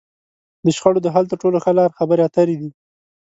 د شخړو د حل تر ټولو ښه لار؛ خبرې اترې دي.